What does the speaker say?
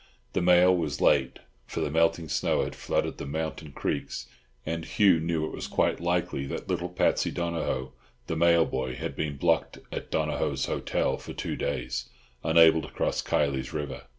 The mail was late, for the melting snow had flooded the mountain creeks, and Hugh knew it was quite likely that little Patsy Donohoe, the mail boy, had been blocked at Donohoe's Hotel for two days, unable to cross Kiley's River.